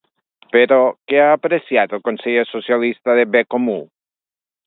Però, què ha apreciat el conseller socialista de BComú?